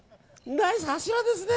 ナイス柱ですね！